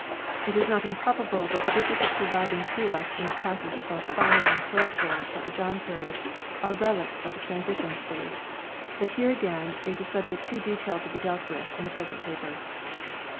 It is not improbable that the duplicates surviving to us in the classes both of Fine and Close Rolls of the John period are relics of the transition stage; but here again is a subject too detailed to be dealt with in the present paper.